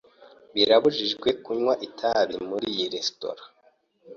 Birabujijwe kunywa itabi muri iyi resitora.